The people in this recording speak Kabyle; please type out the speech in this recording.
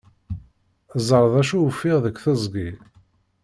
Ẓer d acu ufiɣ deg teẓgi.